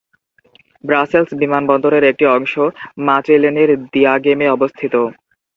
Brussels বিমানবন্দরের একটি অংশ মাচেলেনের দিয়াগেমে অবস্থিত।